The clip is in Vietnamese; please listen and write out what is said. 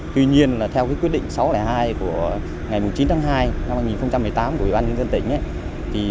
tuy nhiên theo quyết định sáu trăm linh hai ngày chín tháng hai năm hai nghìn một mươi tám của ủy ban tỉnh